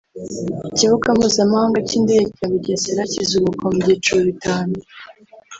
Ikibuga Mpuzamahanga cy’indege cya Bugesera kizubakwa mu byiciro bitanu